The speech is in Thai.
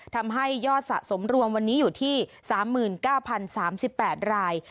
ทำให้ยอดสะสมรวมวันนี้อยู่ที่๓๙๐๓๘ราย